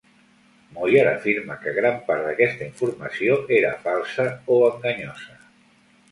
Moyar afirma que gran part d'aquesta informació era falsa o enganyosa.